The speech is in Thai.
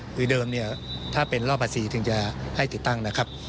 หรือเดิมถ้าเป็นเล่าภาษีถึงจะให้ติดตั้งนะครับ